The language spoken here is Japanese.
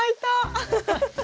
アハハッ。